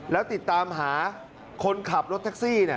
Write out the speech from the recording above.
แล้วติดตามหาคนขับรถแท็กซี่